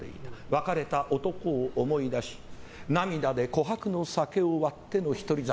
別れた男を思い出し涙で琥珀の酒を割っての一人酒。